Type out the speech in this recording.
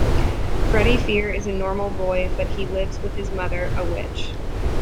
Freddie Fear is a normal boy, but he lives with his mother, a witch.